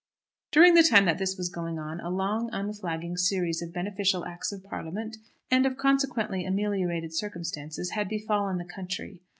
During the time that this was going on, a long unflagging series of beneficial Acts of Parliament, and of consequently ameliorated circumstances, had befallen the country.